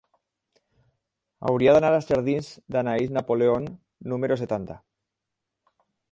Hauria d'anar als jardins d'Anaïs Napoleon número setanta.